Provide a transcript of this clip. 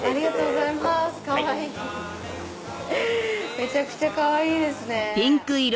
めちゃくちゃかわいいですね！